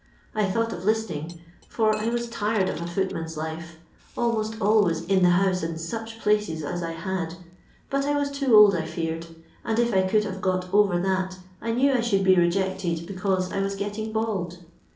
I thought of 'listing, for was tired of a footman's life, almost always in the house in such places as I had^ but I was too old, I feared, and if 1 could have got over that I knew I should be rejected because I was getting bald.